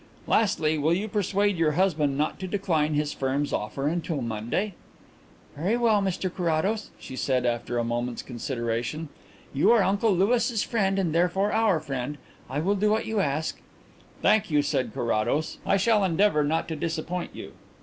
Lastly, will you persuade your husband not to decline his firm's offer until Monday?" "Very well, Mr Carrados," she said, after a moment's consideration. "You are Uncle Louis's friend and therefore our friend. I will do what you ask." "Thank you," said Carrados. "I shall endeavour not to disappoint you."